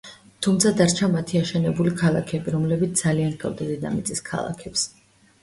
თუმცა დარჩა მათი აშენებული ქალაქები, რომლებიც ძალიან ჰგავდა დედამიწის ქალაქებს.